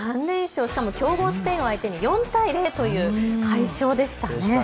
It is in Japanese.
３連勝、しかも強豪スペインを相手に４対０という快勝でした。